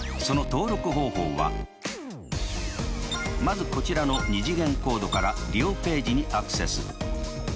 その登録方法はまずこちらの２次元コードから利用ページにアクセス。